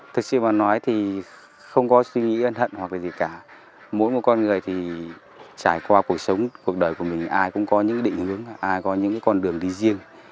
thực sự mà nói thì không có suy nghĩ ân hận hoặc là gì cả mỗi một con người thì trải qua cuộc sống cuộc đời của mình ai cũng có những định hướng là ai có những con đường đi riêng